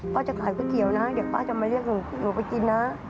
พ่อจะขายข้าวเขียวนะเดี๋ยวพ่อจะมาเรียกหนูหนูไปกินน่ะ